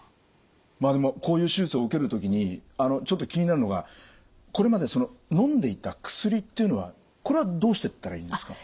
でもこういう手術を受ける時にちょっと気になるのがこれまでのんでいた薬っていうのはこれはどうしてったらいいんですか？